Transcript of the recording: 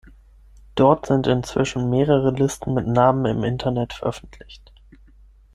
Dort sind inzwischen mehrere Listen mit Namen im Internet veröffentlicht.